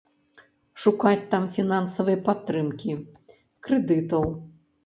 Шукаць там фінансавай падтрымкі, крэдытаў.